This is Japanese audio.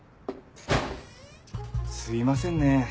すいませんね